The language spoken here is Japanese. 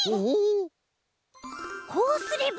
こうすれば。